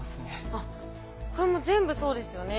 あっこれも全部そうですよね。